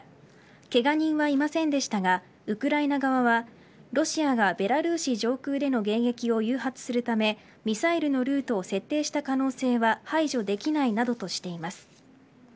ケガ人はいませんでしたがウクライナ側はロシアがベラルーシ上空での迎撃を誘発するためミサイルのルートを設定した可能性は排除できないなどとしています。